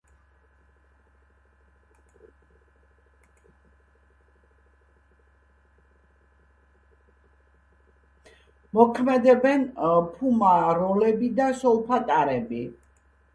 მოქმედებენ ფუმაროლები და სოლფატარები.